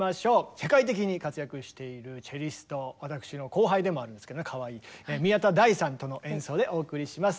世界的に活躍しているチェリスト私の後輩でもあるんですけどねかわいい宮田大さんとの演奏でお送りします。